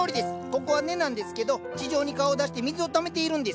ここは根なんですけど地上に顔を出して水をためているんです。